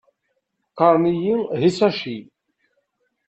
Qqaren-iyi Hisashi.